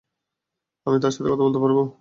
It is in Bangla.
আমি তার সাথে কথা বলতে পারবো।